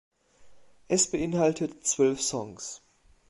Es beinhaltet zwölf Songs.